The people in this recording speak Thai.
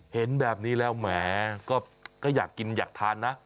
เห็นแบบนี้แล้วแหมก็อยากกินอยากทานนะ